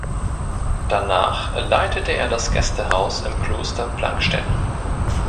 Danach leitete er das Gästehaus im Kloster Plankstetten.